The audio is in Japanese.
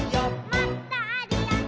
「もっとあるよね」